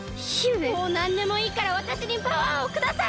もうなんでもいいからわたしにパワーをください！